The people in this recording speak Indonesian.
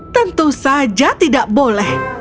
tentu saja tidak boleh